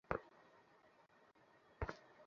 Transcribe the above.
জায়গাটা পুরো এলোমেলো করে দিয়েছে।